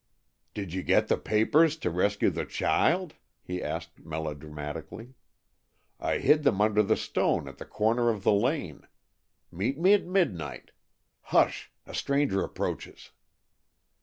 "Did you get the papers, to rescue the cheeild?" he asked melodramatically. "I hid them under the stone at the corner of the lane. Meet me at midnight! Hush! A stranger approaches!"